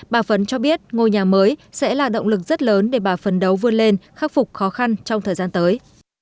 bà phấn cho biết ngôi nhà mới sẽ là động lực rất lớn để bà phấn đấu vươn lên khắc phục khó khăn trong thời gian tới